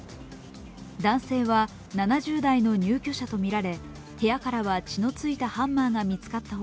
男性は７０代の入居者とみられ、部屋からは血のついたハンマーが見つかった他、